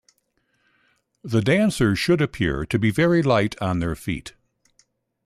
The dancers should appear to be very light on their feet.